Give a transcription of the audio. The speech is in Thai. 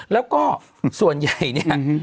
แล้วก็ส่วนใหญ่เนี่ย